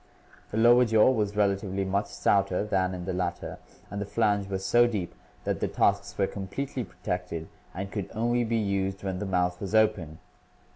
The lower jaw was relatively much stouter than in the latter and the flange was so deep that the tusks were completely protected and could only be used when the mouth was open.